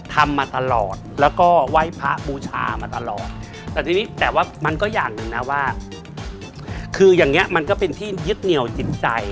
ทำมาตลอดแล้วก็ไหว้พระบูชามาตลอดแต่ทีนี้แต่ว่ามันก็อย่างหนึ่งนะว่าคืออย่างเงี้มันก็เป็นที่ยึดเหนียวจิตใจ